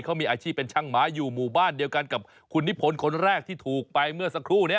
เขามีอาชีพเป็นช่างหมาอยู่หมู่บ้านเดียวกันกับคุณนิพนธ์คนแรกที่ถูกไปเมื่อสักครู่นี้